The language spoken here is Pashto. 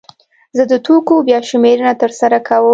زه د توکو بیا شمېرنه ترسره کوم.